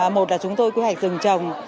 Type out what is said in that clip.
một là chúng tôi quy hoạch rừng trồng